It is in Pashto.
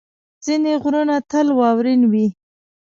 ځینې غرونه تل واورین وي.